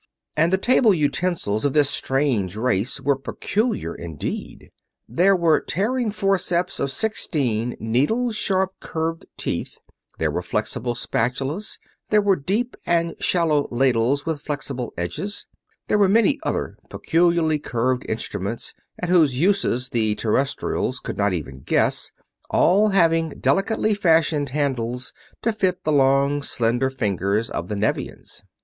And the table utensils of this strange race were peculiar indeed. There were tearing forceps of sixteen needle sharp curved teeth; there were flexible spatulas; there were deep and shallow ladles with flexible edges; there were many other peculiarly curved instruments at whose uses the Terrestrials could not even guess; all having delicately fashioned handles to fit the long slender fingers of the Nevians.